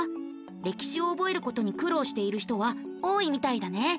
歴史を覚えることに苦労している人は多いみたいだね。